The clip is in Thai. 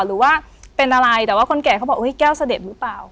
หรือว่าเป็นอะไรแต่ว่าคนแก่เขาบอกแก้วเสด็จหรือเปล่า